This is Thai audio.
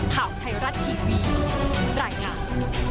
ข่าวไทยรัฐทีวีรายงาน